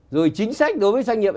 rồi chính sách đối với doanh nghiệp